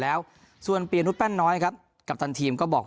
แล้วส่วนปียนุษแป้นน้อยครับกัปตันทีมก็บอก